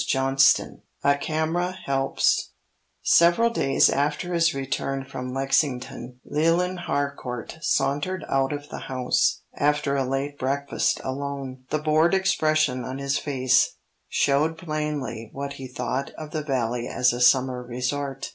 CHAPTER V A CAMERA HELPS SEVERAL days after his return from Lexington, Leland Harcourt sauntered out of the house, after a late breakfast alone. The bored expression on his face showed plainly what he thought of the Valley as a summer resort.